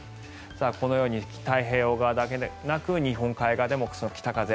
このように太平洋側だけでなく日本海側でも北風。